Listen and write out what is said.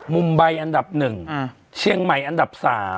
มุมใบอันดับ๑เชียงใหม่อันดับ๓